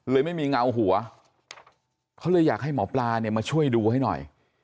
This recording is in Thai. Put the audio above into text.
ไม่มีเงาหัวเขาเลยอยากให้หมอปลาเนี่ยมาช่วยดูให้หน่อย